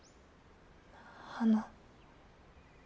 あの。